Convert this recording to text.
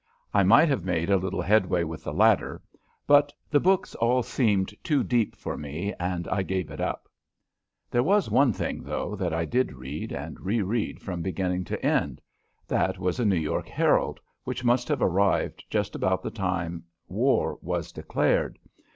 I might have made a little headway with the latter, but the books all seemed too deep for me and I gave it up. There was one thing, though, that I did read and re read from beginning to end that was a New York Herald which must have arrived just about the time war was declared.